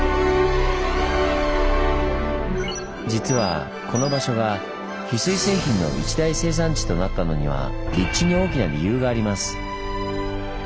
実はこの場所がヒスイ製品の一大生産地となったのには立地に大きな理由があります。